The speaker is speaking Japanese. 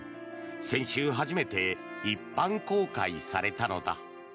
先週初めて一般公開されたのだ。